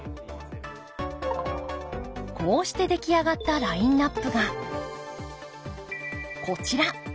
こうして出来上がったラインナップがこちら。